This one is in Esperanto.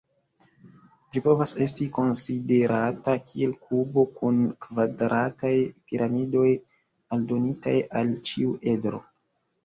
Ĝi povas esti konsiderata kiel kubo kun kvadrataj piramidoj aldonitaj al ĉiu edro.